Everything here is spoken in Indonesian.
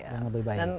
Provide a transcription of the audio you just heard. yang lebih baik